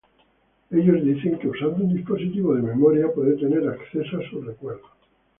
Ellos dicen que usando un dispositivo de memoria pueden tener acceso a sus recuerdos.